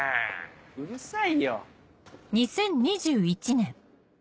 うるさいよ。